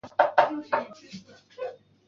浙江乡试第三十六名。